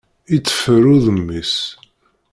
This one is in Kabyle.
Iteffer udem-is.